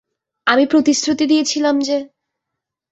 আমি প্রতিশ্রুতি দিয়েছিলাম যে।